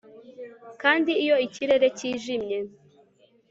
Kandi iyo ikirere kijimye